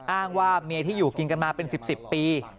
อ้างว่าเมียที่อยู่กินกันมาเป็น๑๐ปี